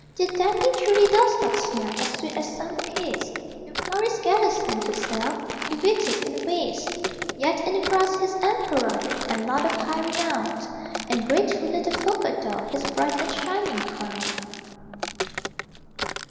Dear Dandy truly does not smell As sweet as some bouquets; No florist gathers him to sell, He withers in a vase; Yet in the grass he's emperor, And lord of high renown; And grateful little folk adore His bright and shining crown.